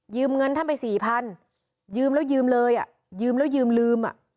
เงินท่านไปสี่พันยืมแล้วยืมเลยอ่ะยืมแล้วยืมลืมอ่ะ